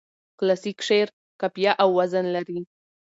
کلاسیک شعر قافیه او وزن لري.